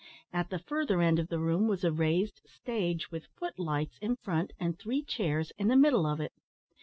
At the further end of the room was a raised stage, with foot lights in front, and three chairs in the middle of it.